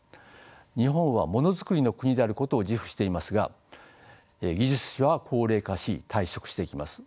日本はモノづくりの国であることを自負していますが技術者は高齢化し退職していきます。